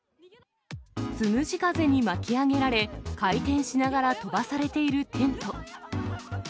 つむじ風に巻き上げられ、回転しながら飛ばされているテント。